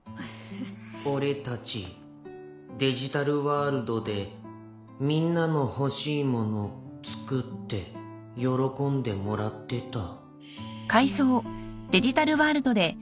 俺たちデジタルワールドでみんなの欲しいもの作って喜んでもらってた。